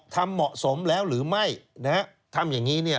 ทำเหมาะสมแล้วหรือไม่นะฮะทำอย่างนี้เนี่ย